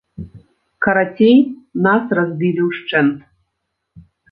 Карацей, нас разбілі ўшчэнт.